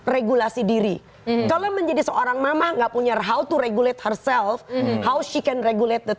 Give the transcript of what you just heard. regulasi diri kalau menjadi seorang mama nggak punya hal to regulate herself how she can regulate the